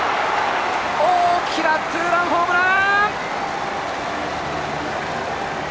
大きなツーランホームラン！